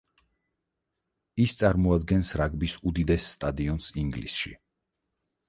ის წარმოადგენს რაგბის უდიდეს სტადიონს ინგლისში.